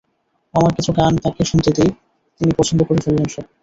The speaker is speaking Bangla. আমার কিছু গান তাঁকে শুনতে দিই, তিনি পছন্দ করে ফেললেন সেসব।